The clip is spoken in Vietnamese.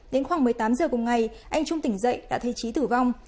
đến khoảng một mươi tám giờ cùng ngày anh trung tỉnh dậy đã thấy trí tử vong